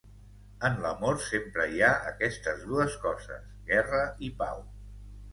En l'amor sempre hi ha aquestes dues coses: guerra i pau.